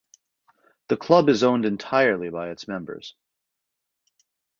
The club is owned entirely by its members.